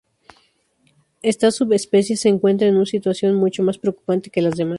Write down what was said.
Esta subespecie se encuentra en un situación mucho más preocupante que las demás.